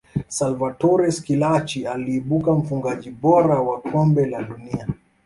salvatore schillaci aliibuka mfungaji bora wa kombe la dunia